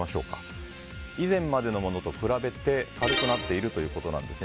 以前までのものと比べて軽くなっているということなんです。